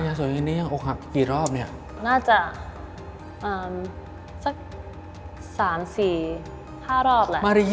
ยาโสยนิยนายังอกหักกี่รอบเนี่ย